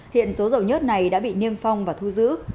hiện số dầu nhất này đã bị niêm phong và thu giữ